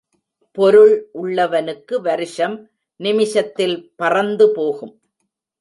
பொருள் உள்ளவனுக்கு வருஷம், நிமிஷத்தில் பறந்துபோகும்.